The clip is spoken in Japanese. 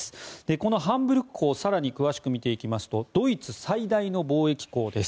このハンブルク港を更に詳しく見ていきますとドイツ最大の貿易港です。